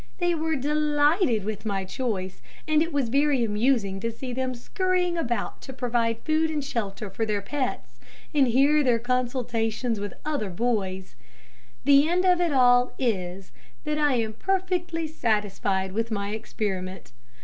They were delighted with my choice, and it was very amusing to see them scurrying about to provide food and shelter for their pets and hear their consultations with other boys. The end of it all is, that I am perfectly satisfied with my experiment.